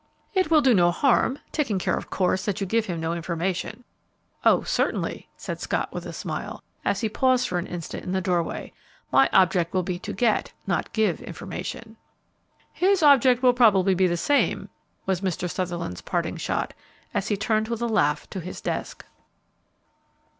"It would do no harm, taking care, of course, that you give him no information." "Oh, certainly," said Scott, with a smile, as he paused for an instant in the doorway; "my object will be to get, not give, information." "His object will probably be the same," was Mr. Sutherland's parting shot, as he turned with a laugh to his desk.